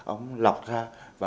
ông lọc ra